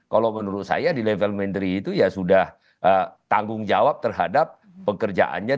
kalau menurut saya di level menteri itu ya sudah tanggung jawab terhadap pekerjaannya